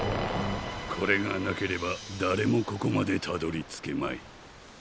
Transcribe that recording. これがなければだれもここまでたどりつけまい。